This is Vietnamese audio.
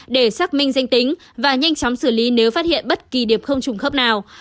để xác minh danh tính và nhanh chóng xử lý nếu phát hiện bất kỳ điểm không trùng khớp nào